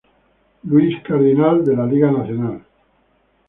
Louis Cardinals de la Liga Nacional.